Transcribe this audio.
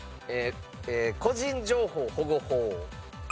個人情報保護法。